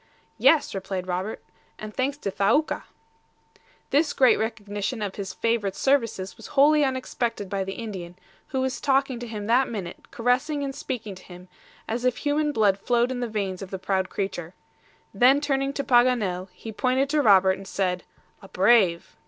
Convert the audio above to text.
"Yes," replied Robert; "and thanks to Thaouka." This great recognition of his favorite's services was wholly unexpected by the Indian, who was talking to him that minute, caressing and speaking to him, as if human blood flowed in the veins of the proud creature. Then turning to Paganel, he pointed to Robert, and said, "A brave!"